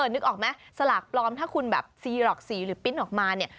นึกออกไหมสลากปลอมถ้าคุณแบบซีหรอกสีหรือปิ้นออกมาเนี่ย